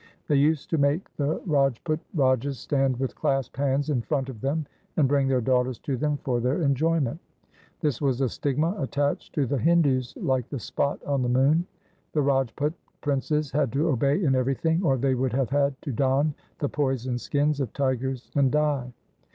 They used to make the Rajput Rajas stand with clasped hands in front of them and bring their daughters to them for their LIFE OF GURU HAR RAI 299 enjoyment. Thus was a stigma attached to the Hindus like the spot on the moon. The Rajput princes had to obey in everything, or they would have had to don the poisoned skins of tigers and die.